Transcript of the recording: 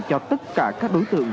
cho tất cả các đối tượng